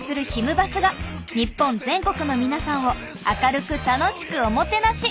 バスが日本全国の皆さんを明るく楽しくおもてなし。